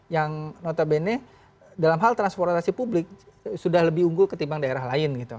yang notabene dalam hal transportasi publik sudah lebih unggul ketimbang daerah lain gitu